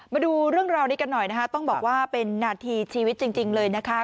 มาดูเรื่องราวนี้กันหน่อยนะคะต้องบอกว่าเป็นนาทีชีวิตจริงเลยนะคะ